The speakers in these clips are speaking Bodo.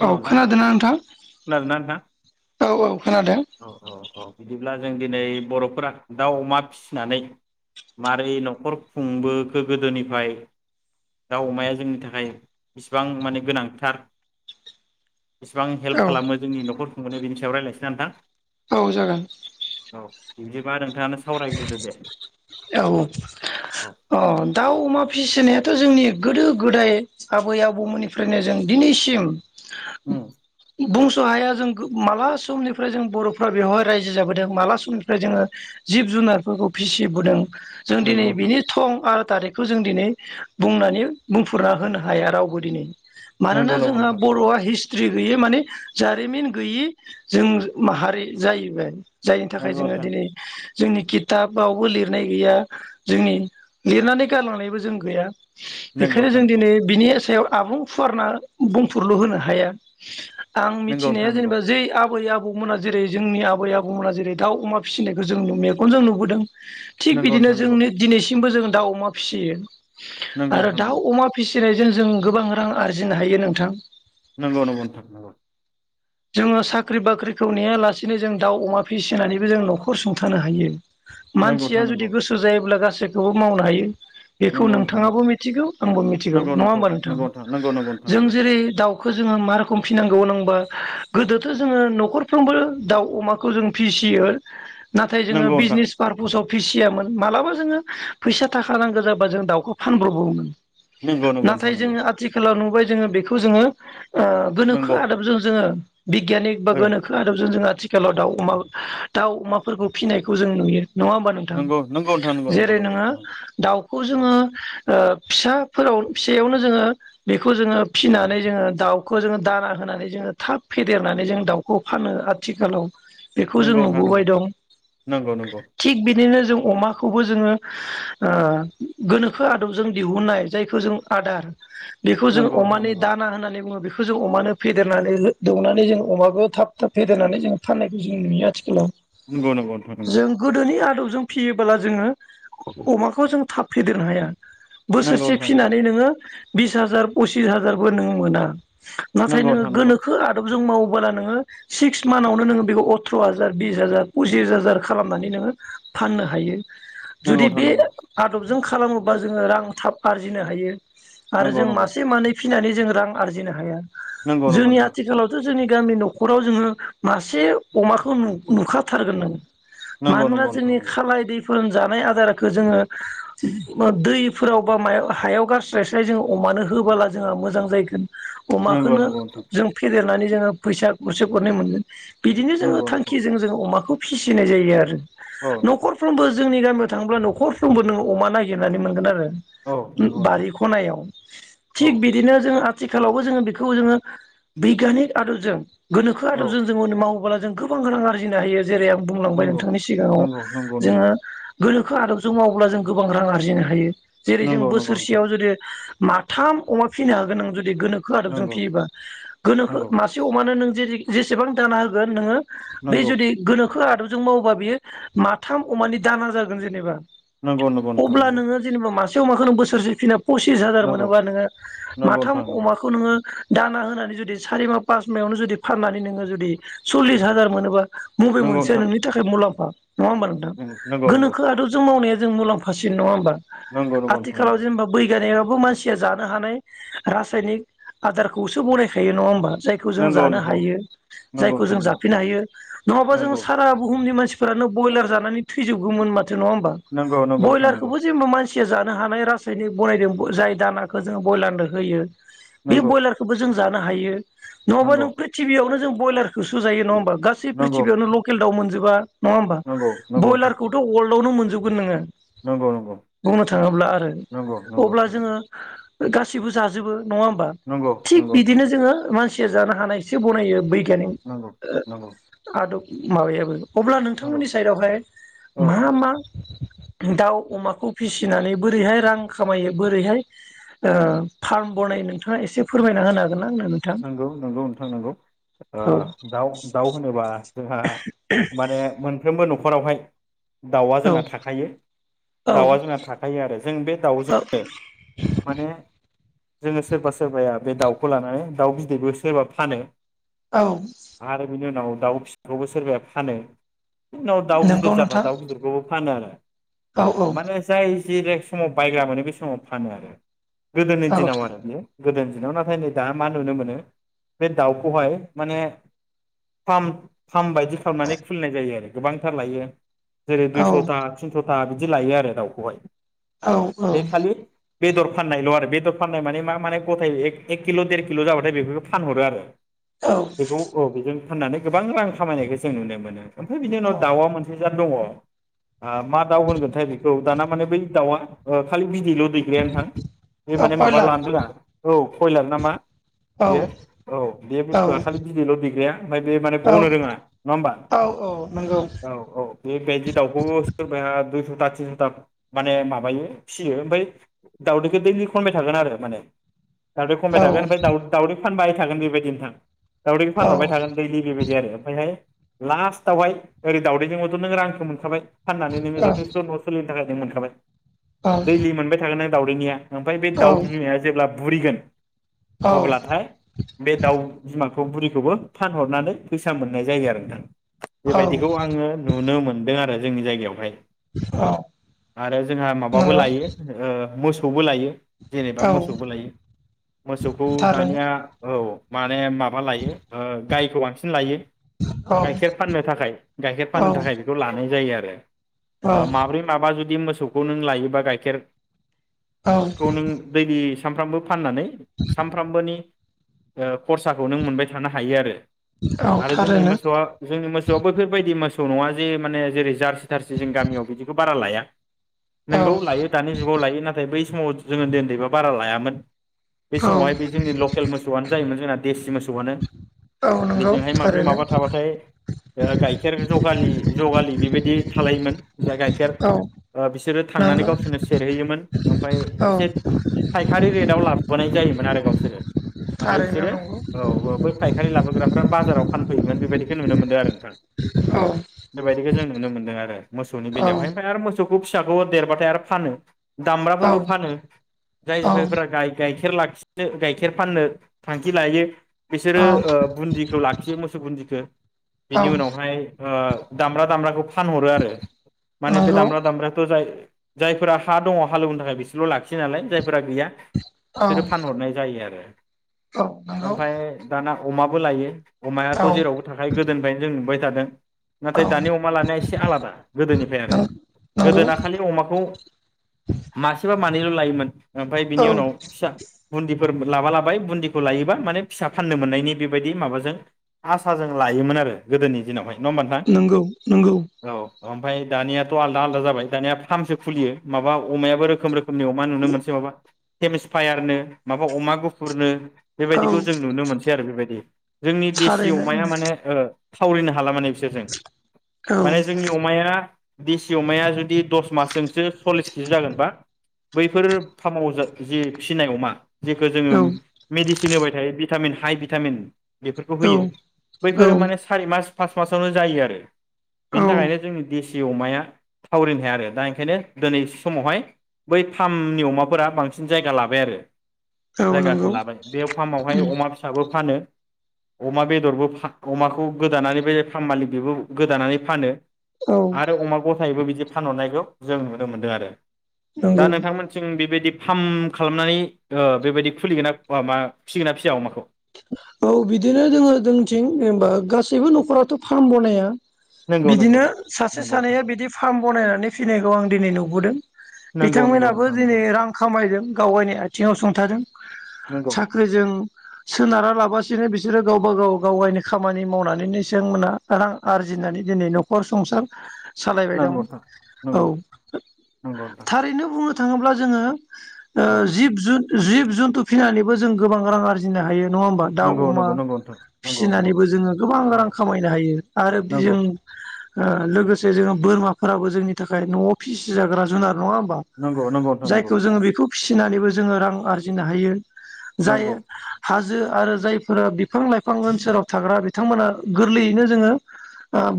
हेल' औ नोंथां खोनादोंना नोंथां खोनादोंना नोंथा औ औ खोनादों औ औ औ बिदि ब्ला जों दिनै बर'फोरा दाउ अमा फिसिनानै मारै न'खर खुंबोखो गोदोनिफ्राय दाउ अमाया जोंनि थाखाय इसिबां माने गोनांथार बिसेबां औ खालामो जोंनि न'खर [inaudible] बिनि सायाव राय्लायसिनो नोंथां औ जागोन जि बादों औ औ अ दाउ अमा फिसिनाया थ' जोंनि गोदो गोदाय आबै आबौमोननिफ्रायनो जों दिनैसिम ओम बुंस' हाया जों माला समनिफ्राय जों बर'फ्रा बेवहाय रायजो जाबोदों माला समनिफ्राय जोङो जिब जुनारफोरखौ फिसिबोदों जों नंगौ दिनै नोंथां बिनि थं आ थारिखौ जों दिनै बुंनानै बुंफुरना होनो हाया रावबो दिनै मानोना नंगौ नंगौ जोंहा नोंथां नंगौ बर'आ हि थ्रि गैयै माने जारिमिन गैयि जों माहारि जाहैबाय। जायनि थाखाय नंगौ जोङो नोंथां दिनै जोंनि खिथाबावबो लिरनाय गैया जोंनि लिरनानै गालांनायबो जों गैया। नंगौ बेखायनो नोंथां जों नंगौ दिनै बिनि सायाव आबुं फुवारना बुंफोरुरल' होनो हाया। आं नंगौ मिथिनाया नोंथां जेनेबा जै आबै आबौ आबौमोना जेरै जोंनि आबै आबौमोना जेरै दा अमा फिसिनायखौ जों नु मेगनजों नुबोदों थिग बिदिनो नंगौ जोंनि दिनैसि सिमबो जोंङो दाउ अमा फिसियो आरो दाउ अमा फिसि नायजों जों गोबां रां आरजिनो हायो नोंथां नंगौ नंगौ नोंथां नंगौ जोङो साख्रि बाख्रिखौ नेआलासिनो जों दाउ अमा फिसिनानैबो जों न'खर सुंथानो हायो। नंगौ नोंथां नंगौ मानसिया नोंथां जुदि नंगौ गोसो जायोब्ला गासै खौबो मावनो हायो। बेखौ नोंथाङाबो मिथिगौ आंबो मिथिगौ नंगौ नङा होमबा नोंथां नंगौ नंगौ नोंथां जों नंगौ जेरै दाव खौ जोङो मा रोखोम फिनांगौ होनना बुंबा गोदोथ' जोङो न'खरफ्रोमबो दाउ अमाखौ जों फिसियो नाथाय जोङो नंगौ नोंथां बिजनेस पार्पसाव फिसियामोन मालाबा जोङो फैसा थाखा नांगौ जाबा जों दाउखौ फानब्रबोमोन नंगौ नंगौ नोंथां नाथाय नंगौ जोङो आथिखालाव नु बाय जोङो बेखौ जोङो ओ गोनोखो नंगौ आदबजों ओ बिगियानिक बा ओ गोनोखो आदबजों जोंहा आथिखालाव दाउ अमा दाउ अमाफोरखौ फिसिनायखौ जों नुयो। नङा होमबा नोंथां नंगौ नंगौ नोंथां नंगौ नंगौ जेरै नंगौ नोङो नंगौ दाउखौ औ जोङो ओ फिसाफोराव फिसायावनो जोङो बेखौ जोङो फिनानै जोङो दाउखौ जोङो दाना होनानै जोङो थाब फेदेरनानै जों दाउखौ फानो आथिखालाव बेखौ जों नंगौ नोंथां नुबोबाय नंगौ दं नंगौ नंगौ थिग बिदिनो जों अमाखौबो जोङो ओ गोनोखो आदबजों दिहुननाय जायखौ जों आदार बेखौ जोङो नंगौ नोंथां अमानि नंगौ दाना होननानै बुङो बेखौ बेखौ जों अमानो फेदेरनानै हो दौनानै जों अमाबखौ थाब थाब फेदेरनानै जों फाननायखौ जों नुयो आथिखालाव नंगौ नंगौ नोंथां नंगौ जों गोदोनि आदब जों फियोबोब्ला जोङो अमाखौ जों थाब फेदेरनो हाया। बोसोरसे फिनानै नोङो बिस हाजार पसिस हाजारबो नों मोना नाथाय नंगौ नोङो नोंथां नंगौ। गोनोखो आदबजों मावोबला नोङो सिक्स मान्थावनो नोङो बेखौ अथ्र' हाजार बिस हाजार पसिस हाजार खालामनानै नोङो फाननो हायो। नंगौ जुदि बे नोंथां आदब जों खालामोबा जोङो रां थाब आरजिनो हायो। आरो नंगौ जों नंगौ नोंथां मासे मानै फिनानै जों रां आरजिनो हाया नंगौ नंगौ जोंनि नोंथां आथिखालावथ' जोंनि गामि न'खराव जोङो मासे अमाखौ नुखाथारगोन होननानै नंगौ नंगौ नोंथां नंगौ मानोना नंगौ नोंथां जोंनि नंगौ खालाय दै फोर जानाय आदारखो जोङो दैफोराव बा म हायाव गारास्राय स्राय जोङो अमानो होबोला जोंहा मोजां जाहैगोन। नंगौ अमाखौनो नोंथां फेेदेरनानै जोङो फैसा गरसे गरनै मोनगोन। बिदिनो जोङो नंगौ नंगौ नोंथां नंगौ थांखिजों जोङो अमाखौ फिसिनाय जायो आरो औ नोंथां न'खरफ्रोमबो जोंनि गामि थाङोब्ला न'खरफ्रबो नोङो अमा नागिरनानै मोनगोन आरो औ नंगौ नोंथां बारि खनायाव औ थिग बिदिनो जों आथिखालावबो जोङो बेखौ जोङो बैगानिक आदबजों गोनोखो औ आदब जों जों मावोब जों गोबां रां आरजिनो हायो। जेरै आं बुंलांबाय नंगौ नोंथांनि सिगाङाव नंगौ नंगौ नंगौ जोङो गोनोखो आदबजों मावोब्ला जों गोबां रां आरजिनो हायो। जेरै जों नंगौ नंगौ नोंथां बोसोरसेयाव जुदि माथाम अमा फिसिनो हागोन आं जुदि जुदि गोनोखो आदबजों नंगौ फियोबा नंगौ मासे अमानो जे-जेसेबां दाना होगोन नोङो बे नंगौ जुदि गोन आदबजों मावोबा बेयो माथाम अमानि दाना जागोन जेनेबा। नंगौ नंगौ नोंथां अब्ला नंगौ नोङो जेनेबा मा अमाखौ नों बोसोरसे फिना फसिस हाजार नंगौ मोनोबा नोङो नंगौ माथाम नोंथां नंगौ अमाखौ नोङो दाना होनानै जुदि सारि माह पास मायावनो जुदि फाननानै नोङो जुदि सल्लिस हाजार मोनोबा मबे नंगौ मोनसेया नोंथां नोंनि थाखाय मुलाम्फा? नङा होमबा नोंथां नंगौ नंगौ नंगौ गोनोखोआथ' जों मावनाया जों मुलामफासिन नङा होमबा? नंगौ आथिखालाव जेनेबा बैग्यानिक मानसिया जानो हानाय रासायनिक आदारखौसो बनाय खायो नङा होमबा? जायखौ जों नंगौ जानो नोंथां हायो नंगौ नंगौ जायखौ जों जाफिननो हायो नङाबा जोङो सारा बुहुमनि मानसि फोरानो बयलार जानानै थैजोबगौमोन मा थो नङा होमबा नंगौ नंगौ नोंथां नंगौ बयलारखौबो जेनबा मान थिया जानो हानाय रासायनिक बनायदों जाय दानाखौ जोङो बयलारनो होयो। बे बयलारखोबो जों जानो हायो। नङाबा नंगौ नों प्रिथिबियावनो जों बयलारखौसो जायो नङा होमबा? गासै नंगौ प्रिथिबियावनो लकेल दाउ मोन जोबा नङा होमबा नंगौ नोंथां बयलारखौथ' अल [unintelligible] नो मोनजोबगोन नोङो नंगौ बुंनो थाङोब्ला आरो नंगौ नंगौ अब्ला जोङो। नंगौ गासिबो जाजोबो। नङा होमबा नंगौ थिक नंगौ नोंथां बिदिनो जोङो मा सिया जानो हानायसो बनायो बै नंगौ नंगौ नोंथां नंगौ नोंथां नंगौ नंगौ [unintelligible] माबायाबो अब्ला नंगौ नोंथांमोननि साइडआवहाय औ मा मा दाउ अमाखौ फिसिनानै बोरैहाय रां खामायो बोरैहाय ओ फार्म बनायो नोंथाङा एसे फोरमायना होनो हागोन ना आंनो नोंथां नोंगौ नोंगौ नोंथां नोंगौ ओ औ दाउ, दाउ होनोबा जोंहा माने मोनफ्रोमबो न' खरावहाय दाउआ जोंना औ थाखायो औ दाउआ जोंना थाखायो आरो जों बे औ दाउजोंनो माने जोङो सोरबा सोरबाया बे दाउखौ लानानै दाउ बिदैबो सोरबा फानो औ आर बिनि उनाव दाउ फिसाखौबो सोरबाया फानो। जोंनाव दाउ नंगौ गिदिर जाबा नोंथां दाउ गिदिरखौबो फानो आरो। औ ओ औ माने जाय थि बे समाव बायग्रा मोनो बे समाव फानो आरो। गोदोनि औ दिनाव आरो बेयो गोदोनि दिनाव नाथाय नै दा मा नुनो मोनो बे दाउखौहाय माने फार्म फार्म बायदि खालामनानै खुलिनाय जायो आरो। गोबांथार लायो। जेरै औ दुइस'था, थिनस' था बिदि लायो आरो दाउखौहाय। औ बे औ। खालि बेदर फाननायल' आरो बेदर फाननाय माने मा माने गथाय एक किल' देर किल' जाबाथाय बेफोरखौ फानहरो आरो। बेखौ औ बेजों फाननानै गोबां रां खामायनायखौ जों नुनो मोनो। ओमफाय बिनि औ उनाव दाउआ मोनसे जा दङ बा मा दाउ होनगोनथाय बेखौ दाना माने बै दाउआ ओ खालि बिदैल' [unintelligible] नोंथां बे औ माने माबा कयलार लानो रोङा औ। कयलार नामा? औ बेयो औ बे औ बुस्थुआ खालि बिदैल' दैग्राया ओमफाय बे माने औ गनो रोङा नङा होमबा? औ नंगौ औ औ बेबायदि दाउखौ सोरबाया दुइस' बा थिनस'था माने माबायो फियो ओमफाय दावदैखौ दैलि खनबाय थागोन आरो माने दावदै औ खनबाय थागोन ओमफाय दाउ दावदै फानबाय थागोन बेबायदि नोंथां। दावदैखौ औ फानहरबाय थागोन दैलि बेबायदि आरो ओमफायहाय लास्ट आवहाय ओरै दाउदैजोंबोथ' नों रांखौ मोनखाबाय फाननानै नोङो जथेस्ट' न' सोलिनो थाखाय नों मोन खाबाय दैलि मोनबाय थागोन आ दावदैनिया ओमफाय बे दाउ औ बिमाया जेब्ला बुरिगोन औ अब्लाथाय बे दाउ बिमा खौ बुरिखौबो फानहरनानै फैसा मोननाय जायो आरो नोंथां औ बेबायदिखौ आङो नुनो मोनदों आरो जोंनि जायगायावहाय आरो जोंहा माबाबो नंगौ लायो ओ मोसौबो लायो। जेनेबा औ मोसौबो लायो मोसौखौ थारैनो दानिया औ। माने माबा लायो ओ गायखौ बांसिन लायो औ गाइखेर फाननो थाखाय गाइखेर औ फाननो थाखाय बेखौ लानाय जायो आरो। [unintelligible] ओ औ माब्रै माबा जुदि मो सौखौ नों लायोबा गाइखेर खौ नों दैलि सानफ्रामबो फाननानै सानफ्रामबोनि ओ खरसाखौ नों मोनबाय थानो हायो आरो औ आरो जोंनि थारैनो मोसौआ जोंनि मोसौआ बैफोरबायदि मोसौ नङा जे माने जेरै- जारसि थारसि जों गामियाव बिदिखौ बारा लाया। औ नोंगौ लायो दानि जुबाव लायो नाथाय बै समाव जोङो उन्दै उन्दैबा बारा लायामोन। बे औ समावहाय बे जोंनि लकेल मोसौआनो जायोमोन जोंना देसि मोसौआनो औ नंगौ बेजोंहाय माब्रै थारैनो माबा थाबाथाय ओ गाइखेर जगालि जगालि बेबायदि थालायोमोन। जाय गाइखेर औ ओ बिसोरो थांनानै नंगौ गावसोरनो सेरहैयोमोन ओमफाय औ एसे फायखारि रेदयाव लाबोनाय जायोमोन आरो गावसोर ओमफाय थारैनो बिसोरो नंगौ औ औ बे फायखारि लाबोग्राफ्रा बाजाराव फानफैयोमोन बे बादिखौ नुनो मोन्दों आरो नोंथां। औ बेबादिखौ जों नुनो मोनदों आरो। मोसौनि औ बेलायावहाय ओमफ्राय आरो मोसौ। थेवबो फिसौखौ फिसाखौ देरबाथाय आरो फानो। औ दामब्राफोरखौ फानो जाय जायफोरा गाय गाय गाइखेर लाखिनो गाइखेर फाननो थांखि लायो। बिसोरो ओ बुन्दिखौ लाखियो मोसौ बुन्दिखौ औ औ बिनि उनावहाय ओ। दामब्रा दामब्राखौ फानहरो आरो माने बे नंगौ दामब्रा दामब्राखौ जाय। जायफोरा हा दङ हालेवनो थाखाय बिसोरल' लाखियो नालाय जाय फोरा गैया औ बिसोरो फानहरनाय जायो आरो। औ नंगौ ओमफाय दाना अमाबो लायो। अमायाथ' औ जेरावबो थाखायो गोदोनिफ्रायनो जों नुबाय थादों औ नाथाय दानि अमा लानाया एसे आलादा गोदोनिफ्राय आरो नों नंगौ गोदोना खालि अमाखौ। मासेबा मानैल' लायोमोन। ओमफ्राय औ बिनि उनाव फिसा बुन्दि फोर लाबा लाबाय बुन्दिखौ लायोबा माने फिसा फाननो मोननायनि बेबायदि माबाजों आसा जों लायोमोन आरो गोदोनि दिनावहाय। नङा होमबा नोंथां नोंगौ नोंगौ। औ ओमफ्राय दानियाथ' आलदा आलदा जाबाय दानिया फामसो खुलियो। माबा अमायाबो रोखोम रोखोमनि अमा नुनो मोनसेै माबा केेमसफायारनो माबा अमा गुफुरनो। औ बेबायदिखौ जों नुनो मोनसै आरो बेबायदि जोंनि देसि थारैनो अमाया माने ओ। थावरिनो हाला माने। बिसोरजों औ माने जोंनि अमाया। देसि अमाया जुदि दस मासजोंसो। सल्लिस केजि जागोनबा बैफोर फार्माव जि फिसिनाय अमा। जेखौ जोङो औ मेडसिन थिनो होबाय थायो भिटामिन हाइ भिटामिन। बेफोरखौ औ होयो बैफोरो माने औ सारि मास। पास मासावनो जायो आरो। बेनि थाखायनो औ जोंनि देसि सि अमाया थावरिनो हाया आरो दा ओंखायनो। दिनै समावहाय बै फार्मनि अमाफोरा बांसिन जायगा लाबाय आरो। जायगाखौ नंगौ लादों बे फार्मावहाय अमा फिसाबो फानो अमा बेदरबो अमाखौ गोदानानै बे [unintelligible] बेबो गोदानानै फानो औ आरो अमा गथायैबो बिदि बानायनायखौ जों नु मोनदों आरो दा नंगौ नोंथांमोनथिं बेबायदि फार्म खालामनानै बेबायदि खुलिगोन नाबा फिसिगोन ना फिसिया अमाखौ औ बिदिनो जोङो जोंथिं जेनेबा गासैबो नखराथ फार्म बनाया नंगौ नंगौ बिदिनो सासे नंगौ नोंथां सानैया बिदि फार्म बनायनानै फिनायखौ आं नु दिनै नुबोदों नंगौ नंगौ बिथांमोनाबो नोंथां दिनै रां खामायदों गावबायनाय आथिङाव सुंथादों नंगौ साख्रिजों सोनारा लाबा माबासिनो बिसोरो गावबा गाव गाव गावनि खामानि मावनानैनो बिथांमोना रां आरजिनानै दिनै नखर संसार सालायबाय नंगौ दं नोंथां औ नंगौ नंगौ नोंथां थारैनो बुङो थाङोब्ला जोङो ओ औ जिब जुन जिब जुन्थु फिनानैबो जों गोबां रां आरजिनो हायो नङा दाउ नंगौ अमा नंगौ नंगौ नोंथां नंगौ नंगौ फिसिनानैबो जोङो गोबां रां खामायनो हायो आरो नंगौ बिजों ओ लोगोसे जोङो बोरमाफोराबो जोंनि थाखाय नआव फिसिजाग्रा जुनार नङा होमबा नंगौ नंगौ नोंथां जायखौ जोङो बेखौ फिसिनानैबो जोङो रां आरजिनो हायो जायो नंगौ हाज जो आरो जायफोरा बिफां लाइफां ओनसोलाव थाग्रा बिथांमोना गोरलैयैनो जोङो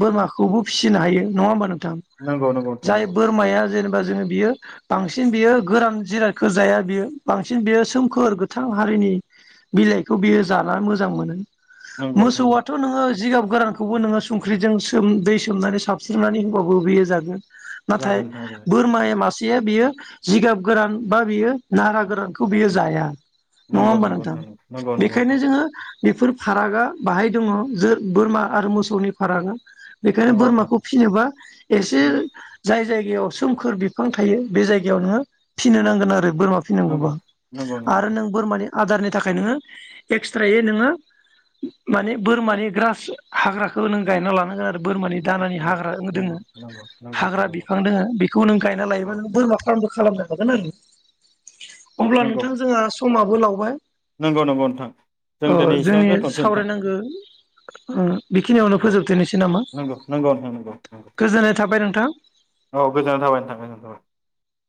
बोरमाखौबो फिसिनो हायो नङा होमबा नों थां नंगौ नंगौ नोंथां जाय बोरमाया जेनेबा बा जोङो बियो बांसिन बियो गोरान जिराद जाया बियो बांसिन बियो सोमखोर गोथां हारिनि बिलाइखौ बियो जाना मोजां मोनो नंगौ नंगौ नोंथां नंगौ मोसौआथ नोङो जिगाब गोरानखौबो नोङो संख्रिजों सोम दै सोमनानै साबस्रिनानै हबाबो बेयो जागोन नाथाय जागोन बोरमाया मास बियो बियो जिगाब गोरान बा बियो नारा गोरानखौ बियो जाया नङा नंगौ होमबा नंगौ नोंथां नंगौ नंगौ बेखायनो जोङो बेफोर फारागा बाहाय दङ ज बोरमा आरो मोसौनि फारागा बेखायनो जागोन बोरमाखौ फिसिनोबा एसे जाय जाय बेयाव सोमखोर बिफां थायो बे जायगायाव नोङो फिनो नांगोन आरो। बोरमा फिनांगौबा नंगौ नंगौ नोंथां नंगौ नोंथां नंगौ आरो नोंथां नों बोरमानि आदारनि थाखाय नोङो एक्सट्रायै नोङो माने बोरमानि ग्रास हाग्राखौ नों गायना लानांगोन आरो बोरमानि दानानि हाग्रा नंगौ दोङो नंगौ नंगौ नोंथां नंगौ नोंथां हाग्रा नंगौ बिफां दोङो बेखौ नों गायना औ लायोबा नों बोरमा फारामबो खालामनो [unintelligible] अब्ला नंगौ नोंथां जोङो समाबो लावबाय। नंगौ नंगौ नोंथां। जों ओ दिनै जोंनि एसेयावनो दोनथ'नोसै नोंथां सावरायनांगो ओ बेखिनियावनो औ फोजोबथनोसै नामा? नंगौ नंगौ नोंथां नंगौ नंगौ नंगौ गोजोननाय थाबाय नोंथां। औ गोजोननाय थाबाय नोंथां गोजोननाय थाबाय